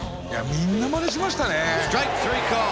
みんなまねしましたね。